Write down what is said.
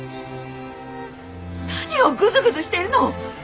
何をぐずぐずしてるの！